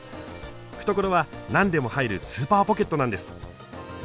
懐は何でも入るスーパーポケットなんです。